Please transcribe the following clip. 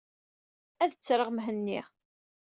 Ad ttreɣ Mhenni.